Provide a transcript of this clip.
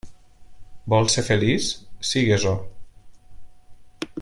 Vols ser feliç? Sigues-ho.